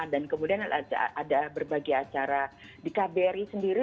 dan kemudian ada berbagai acara di kbr sendiri